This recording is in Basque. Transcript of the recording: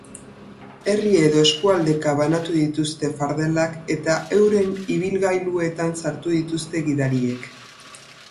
Herri edo eskualdeka banatu dituzte fardelak eta euren ibilgailuetan sartu dituzte gidariek.